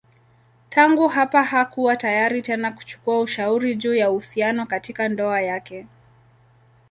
Tangu hapa hakuwa tayari tena kuchukua ushauri juu ya uhusiano katika ndoa yake.